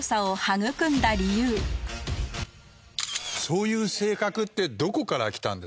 そういう性格ってどこから来たんですかね？